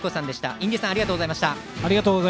印出さんありがとうございました。